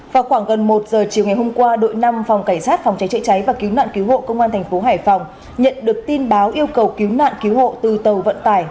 vào khoảng gần một giờ chiều ngày hôm qua đội năm phòng cảnh sát phòng cháy chữa cháy và cứu nạn cứu hộ công an thành phố hải phòng nhận được tin báo yêu cầu cứu nạn cứu hộ từ tàu vận tải